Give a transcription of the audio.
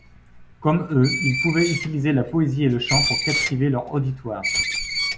Comme eux, ils pouvaient utiliser la poésie et le chant pour captiver leur auditoire.